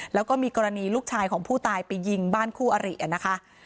แล้วก็มีกรณีลูกชายของผู้ตายไปยิงบ้านคู่อรินะคะ